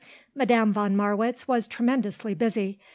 Madame von Marwitz was tremendously busy.